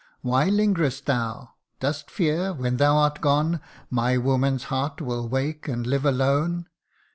Why lingerest thou ? Dost fear, when thou art gone, My woman's heart will wake, and live alone?